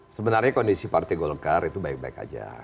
sebenarnya kondisi partai golkar itu baik baik aja